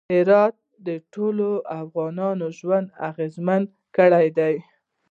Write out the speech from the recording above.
هرات د ټولو افغانانو ژوند اغېزمن کوي.